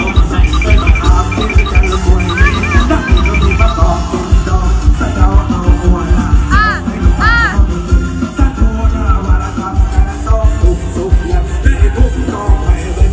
มาให้เคยรับสาวเหลือสาวเหลือกลัวหรือตามหลักกล่อกของพี่สุดที่